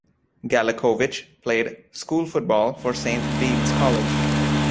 Galekovic played school football for Saint Bede's College.